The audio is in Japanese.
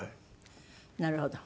なるほど。